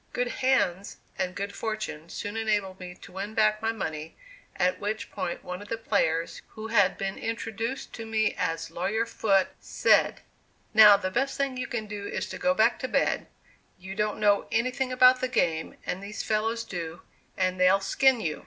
Good "hands" and good fortune soon enabled me to win back my money, at which point one of the players who had been introduced to me as "Lawyer Foote" said: "Now the best thing you can do is to go back to bed; you don't know anything about the game, and these fellows do, and they'll skin you."